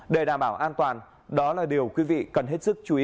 để đảm bảo an toàn đó là điều quý vị cần hết sức chú ý